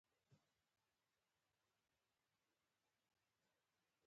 ستا په یاد دي؟ هغې وویل.